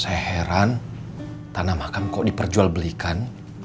saya heran tanah makam kok diperjual belikan